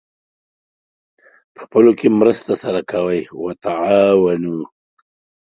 پخپلو کې مرسته سره کوئ : وتعاونوا